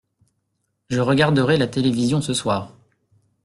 Je regarderai la télévision ce soir.